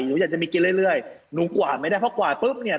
หนูอยากจะมีกินเรื่อยเรื่อยหนูกวาดไม่ได้เพราะกวาดปุ๊บเนี่ย